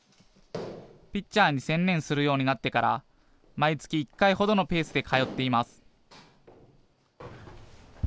ピッチャーに専念するようになってから、毎月１回ほどのペースで通っています。